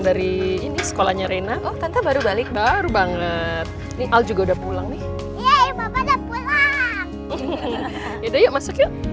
dari ini sekolahnya rina baru banget nih juga udah pulang nih udah masuk yuk